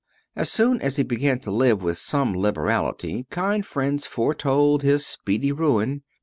As soon as he began to live with some liberality kind friends foretold his speedy ruin.